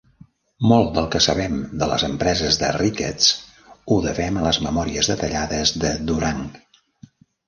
Molt del que sabem sobre les empreses de Ricketts ho devem a les memòries detallades de Durang.